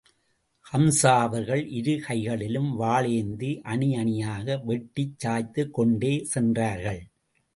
ஹம்ஸா அவர்கள் இரு கைகளிலும் வாளேந்தி, அணி அணியாக வெட்டிச் சாய்த்துக் கொண்டே சென்றார்கள்.